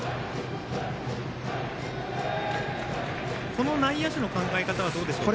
この内野手の考え方はどうですか。